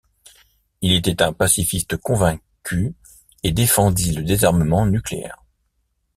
Il était un pacifiste convaincu et défendit le désarmement nucléaire.